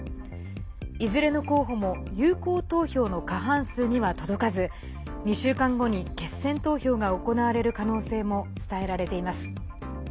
いずれの候補も有効投票の過半数には届かず２週間後に決選投票が行われる可能性も伝えられています。